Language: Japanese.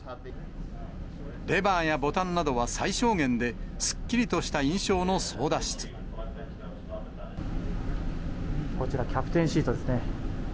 レバーやボタンなどは最小限で、こちら、キャプテンシートですね。